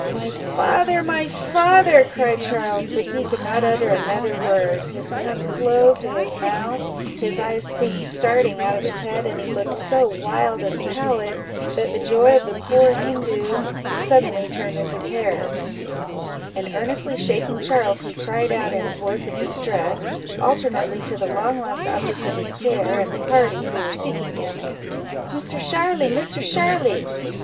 "My father, my father!" cried Charles; but he could not utter another word; his tongue clove to his mouth, his eyes seemed starting out of his head, and he looked so wild and pallid, that the joy of the poor Hindoo was suddenly turned into terror; and earnestly shaking Charles, he cried out, in a voice of distress, alternately to the long lost object of his care, and the party who were seeking him—"Misser Sharly—Misser Sharly!